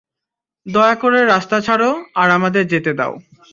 দয়া করে রাস্তা ছাড়ো আর আমাদের যেতে দাও।